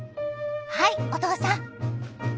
はいお父さん。